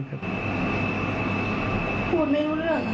อันดับที่สุดท้าย